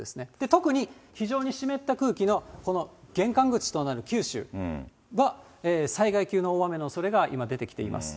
特に非常に湿った空気のこの玄関口となる九州は、災害級の大雨のおそれが、今、出てきています。